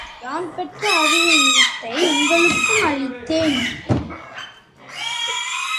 யான் பெற்ற அறிவு இன்பத்தை உங்களுக்கும் அளித்தேன்.